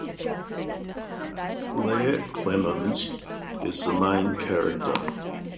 Blair Clemmons is the main character.